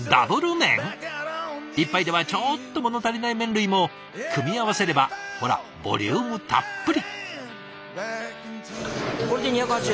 １杯ではちょっと物足りない麺類も組み合わせればほらボリュームたっぷり！